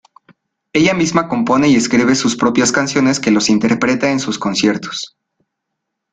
Ella misma compone y escribe sus propias canciones que los interpreta en sus conciertos.